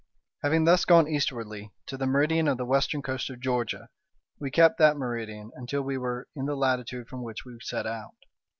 Having thus gone eastwardly to the meridian of the western coast of Georgia, we kept that meridian until we were in the latitude from which we set out.